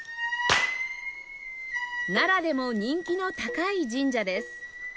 奈良でも人気の高い神社です